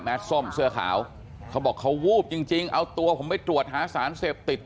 ส้มเสื้อขาวเขาบอกเขาวูบจริงจริงเอาตัวผมไปตรวจหาสารเสพติด